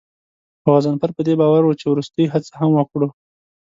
خو غضنفر په دې باور و چې وروستۍ هڅه هم وکړو.